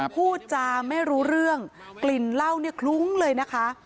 พูดจาไม่รู้เรื่องกลิ่นเหล้าเนี่ยคลุ้งเลยนะคะ